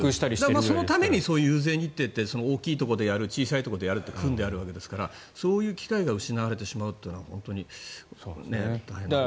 だから遊説日程って大きいところでやる小さいところでやると組んでいるからそういう機会が失われてしまうのは本当に大変なことですね。